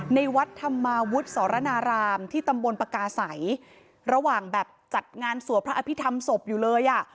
ในวัดธรรมาวุฒิสรนารามที่ตำบลปากาศัยระหว่างแบบจัดงานสวดพระอภิษฐรรมศพอยู่เลยอ่ะ